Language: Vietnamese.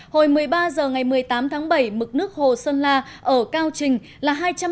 hồi một mươi ba giờ ngày một mươi tám tháng bảy mực nước hồ sơn la ở cao trình là hai trăm linh một tám mươi chín m